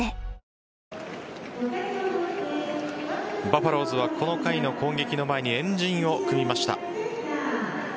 バファローズはこの回の攻撃の前に円陣を組みました。